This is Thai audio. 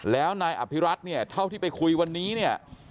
แล้วนายอภิรัตน์เนี่ยเท่าที่ไปคุยวันนี้เนี่ย